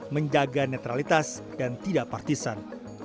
menjaga netralitas dan tidak partisan